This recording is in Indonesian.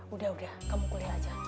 udah udah kamu kuliah aja